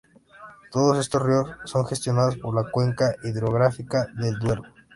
Todos estos ríos son gestionados por la Cuenca Hidrográfica del Duero.